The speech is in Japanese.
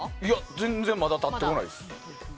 全然まだ立ってないです。